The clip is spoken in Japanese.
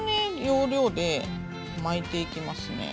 要領で巻いていきますね。